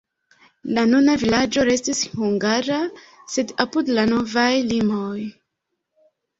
La nuna vilaĝo restis hungara, sed apud la novaj limoj.